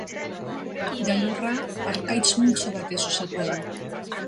Gailurra harkaitz multzo batez osatua du.